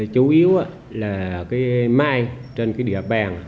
chủ yếu là cái mai trên cái địa bàn